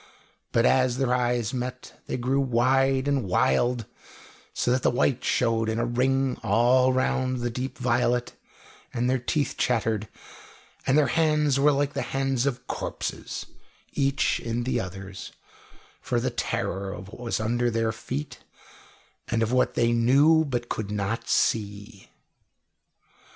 But as their eyes met, they grew wide and wild, so that the white showed in a ring all round the deep violet, and their teeth chattered, and their hands were like hands of corpses, each in the other's, for the terror of what was under their feet, and of what they knew but could not see.